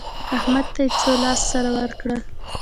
احمد ته يې څو لاس سره ورکړل؟